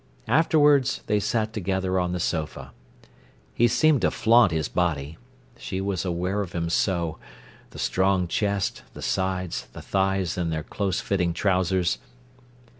Afterwards they sat together on the sofa. He seemed to flaunt his body: she was aware of him so—the strong chest, the sides, the thighs in their close fitting trousers.